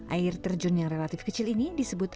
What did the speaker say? air terjun yang relatif kecil ini disebut